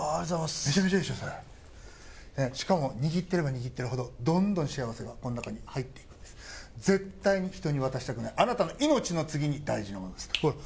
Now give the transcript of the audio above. メチャメチャいいでしょそれしかも握ってれば握ってるほどどんどん幸せがこの中に入っていくんです絶対に人に渡したくないあなたの命の次に大事なものですほら